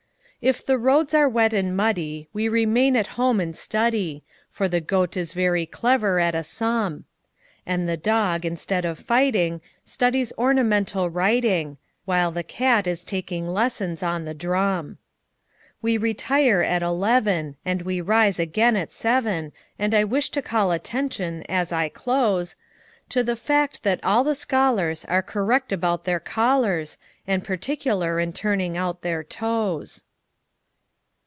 If the roads are wet and muddyWe remain at home and study,—For the Goat is very clever at a sum,—And the Dog, instead of fighting, Studies ornamental writing, While the Cat is taking lessons on the drum. We retire at eleven, And we rise again at seven; And I wish to call attention, as I close, To the fact that all the scholarsAre correct about their collars, And particular in turning out their toes.